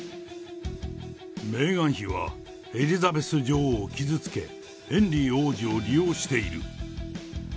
メーガン妃はエリザベス女王を傷つけ、ヘンリー王子を利用している。